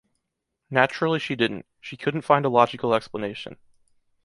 Naturally she didn’t - she couldn’t find a logical explanation.